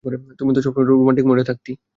তুই তো সবসময়ই রোমান্টিক মুডে থাকতি!